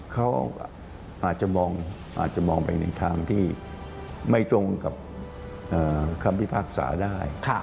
เขาอาจจะมองไปในทางที่ไม่ตรงกับคำพิพากษาได้